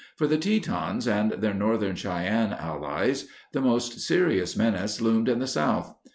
For the Tetons and their Northern Cheyenne allies, the most serious menace loomed in the south.